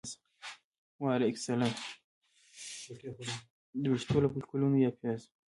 د ویښتو له فولیکونو یا پیازو